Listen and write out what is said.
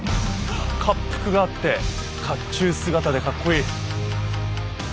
恰幅があって甲冑姿でかっこいい。